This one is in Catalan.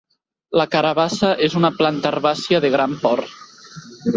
La carabassa és una planta herbàcia de gran port.